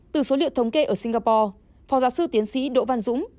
từ số liệu thống kê ở singapore phó giáo sư tiến sĩ đỗ văn dũng